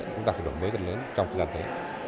vì vậy chúng ta phải đổ mế dẫn đến trong thời gian tới